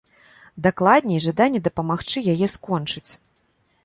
Дакладней, жаданне дапамагчы яе скончыць.